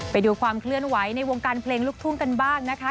ไปดูความเคลื่อนไหวในวงการเพลงลูกทุ่งกันบ้างนะคะ